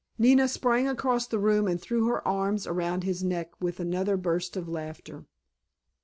Nina sprang across the room and threw her arms around his neck with another burst of laughter.